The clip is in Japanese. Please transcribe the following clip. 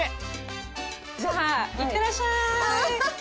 じゃあいってらっしゃーい！